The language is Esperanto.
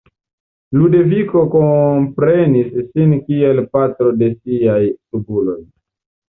Ludoviko komprenis sin kiel "patro de siaj subuloj".